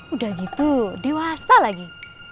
udah gitu dewasa lagi